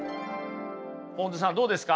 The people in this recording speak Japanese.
ぽんづさんどうですか？